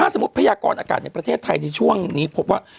สมมุติพยากรอากาศในประเทศไทยในช่วงนี้พบว่า